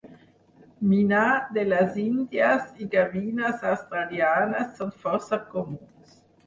Minà de les índies i gavines australianes són força comuns.